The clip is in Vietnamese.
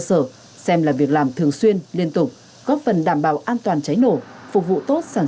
sở xem là việc làm thường xuyên liên tục góp phần đảm bảo an toàn cháy nổ phục vụ tốt sản